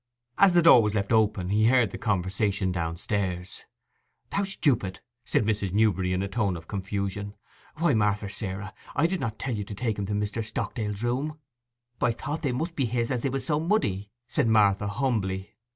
As the door was left open he heard the conversation downstairs. 'How stupid!' said Mrs. Newberry, in a tone of confusion. 'Why, Marther Sarer, I did not tell you to take 'em to Mr. Stockdale's room?' 'I thought they must be his as they was so muddy,' said Martha humbly.